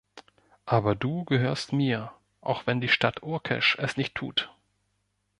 Aber du gehörst mir, auch wenn die Stadt Urkesch es nicht tut.